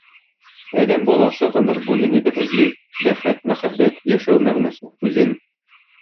Адәм баласы гомер буе нидер эзли: бәхет, мәхәббәт, яшәү мәгънәсе, үзен.